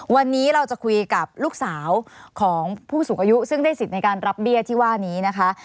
วันนี้เราจะคุยกับลูกสาวของผู้สูงอายุซึ่งได้สิทธิ์ในการรับเบี้ยที่ว่านี้นะคะ